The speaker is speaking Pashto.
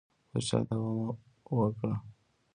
پر چا دعوه وکړي.